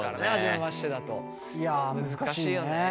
いや難しいよね。